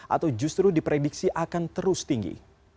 atau justru diprediksi akan terus tinggi